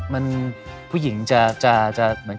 มันผู้หญิงจะไม่แฟร์